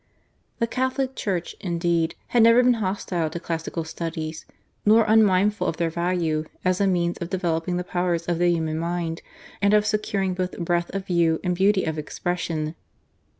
The Catholic Church, indeed, had never been hostile to classical studies, nor unmindful of their value, as a means of developing the powers of the human mind, and of securing both breadth of view and beauty of expression.